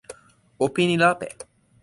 o pini lape